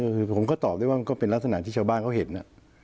คือผมก็ตอบได้ว่ามันก็เป็นลักษณะที่ชาวบ้านเขาเห็น